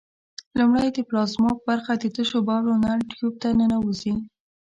لومړی د پلازما برخه د تشو بولو نل ټیوب ته ننوزي.